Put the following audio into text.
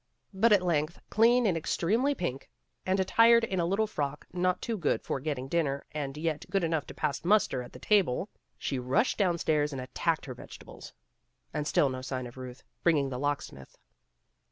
But at length, clean and extremely pink, and attired in a little frock not too good for getting dinner and yet good enough to pass muster at the table, she rushed downstairs and attacked her vegetables. And still no sign of Ruth, bringing the lock smith.